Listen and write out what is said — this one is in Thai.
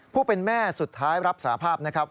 ผู้เป็นแม่สุดท้ายรับสารภาพนะครับ